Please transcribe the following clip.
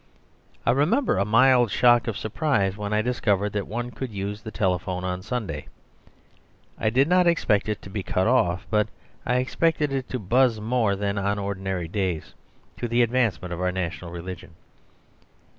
I remember a mild shock of surprise when I discovered that one could use the telephone on Sunday; I did not expect it to be cut off, but I expected it to buzz more than on ordinary days, to the advancement of our national religion.